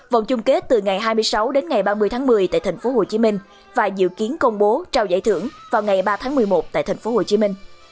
vòng chung kết từ ngày hai mươi sáu đến ngày ba mươi tháng một mươi tại tp hcm và dự kiến công bố trao giải thưởng vào ngày ba tháng một mươi một tại tp hcm